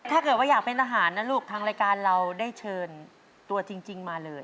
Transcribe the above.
ถ้าเกิดว่าอยากเป็นทหารนะลูกทางรายการเราได้เชิญตัวจริงมาเลย